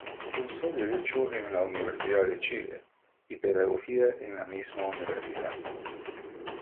Cursó Derecho en la Universidad de Chile, y Pedagogía en la misma universidad.